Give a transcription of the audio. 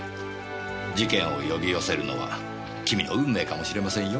事件を呼び寄せるのは君の運命かもしれませんよ。